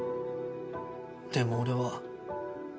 でも俺は。